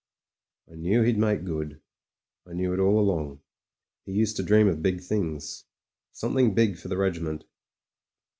"I knew he'd make good — I knew it all along. He used to dream of big things — something big for the regiment."